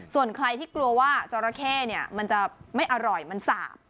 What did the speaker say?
ส่วนใครที่กลัวว่าจราเข้มันจะไม่อร่อยมันสาบ